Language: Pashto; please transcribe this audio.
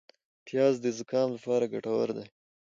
پیاز د زکام لپاره ګټور دي